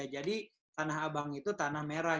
tanah abang itu tanah merah